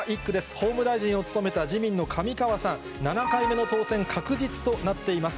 法務大臣を務めた自民の上川さん、７回目の当選確実となっています。